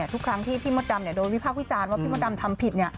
ทุกครั้งที่พี่มดดำโดนวิพากษ์วิจารณ์ว่าพี่มดดำทำผิด